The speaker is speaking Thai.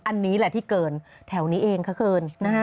อันนี้แหละที่เกินแถวนี้เองค่ะเกิน